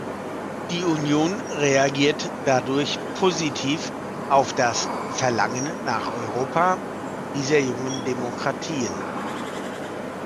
Die Union reagiert dadurch positiv auf das "Verlangen nach Europa" dieser jungen Demokratien.